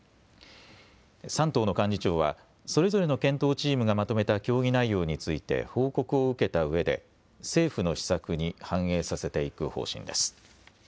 ３党の幹事長はそれぞれの検討チームがまとめた協議内容について報告を受けたうえで政府の施策に反映させていく方針です。